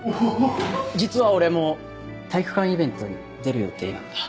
実は俺も体育館イベントに出る予定なんだ。